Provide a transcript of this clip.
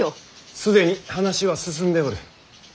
既に話は進んでおる。